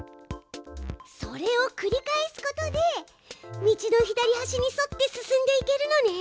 それをくり返すことで道の左はしに沿って進んでいけるのね。